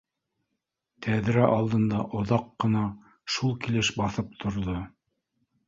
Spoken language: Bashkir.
Тәҙрә алдында оҙаҡ ҡына шул килеш баҫып торҙо